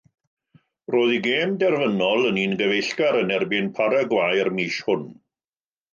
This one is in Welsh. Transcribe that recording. Roedd ei gêm derfynol yn un gyfeillgar yn erbyn Paraguay'r mis hwn.